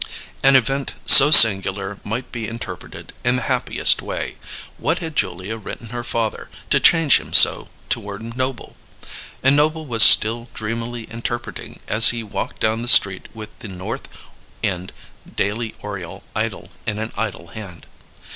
An event so singular might be interpreted in the happiest way: What had Julia written her father, to change him so toward Noble? And Noble was still dreamily interpreting as he walked down the street with The North End Daily Oriole idle in an idle hand.